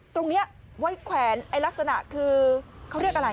ตรงนี้ไว้แขวนไอ้ลักษณะคือเขาเรียกอะไร